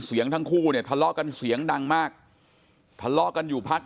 เสียงทั้งคู่เนี่ยทะเลาะกันเสียงดังมากทะเลาะกันอยู่พัก